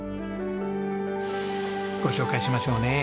ご紹介しましょうね。